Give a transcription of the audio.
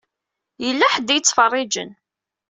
Yella ḥedd i yettfeṛṛiǧen.